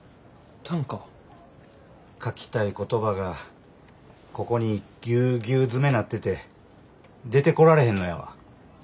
書きたい言葉がここにぎゅうぎゅう詰めなってて出てこられへんのやわ。